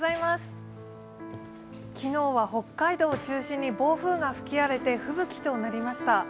昨日は北海道を中心に暴風雨がふき荒れて吹雪となりました。